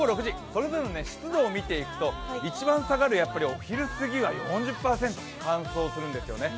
それぞれの湿度を見ていくと一番下がるお昼過ぎは４０％、乾燥するんですよね。